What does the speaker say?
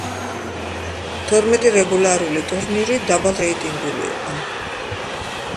თორმეტი რეგულარული ტურნირი დაბალრეიტინგული იყო.